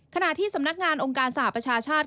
ขณะที่สำนักงานองค์การสหประชาชาติ